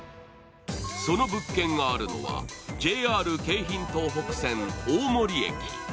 その物件があるのはＪＲ京浜東北線大森駅。